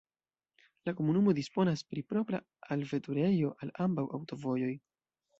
La komunumo disponas pri propra alveturejo al ambaŭ aŭtovojoj.